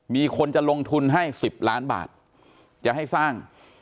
มีคนจะลงทุนให้๑๐ล้านบาทจะให้สร้าง